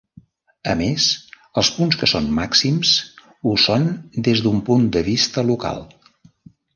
A més, els punts que són màxims ho són des d'un punt de vista local.